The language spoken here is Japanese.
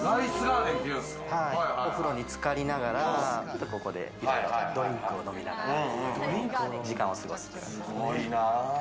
お風呂につかりながら、ちょっとここでドリンクを飲みながら時間を過ごす。